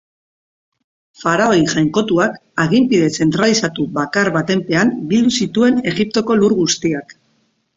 Faraoi jainkotuak aginpide zentralizatu bakar baten pean bildu zituen Egiptoko lur guztiak.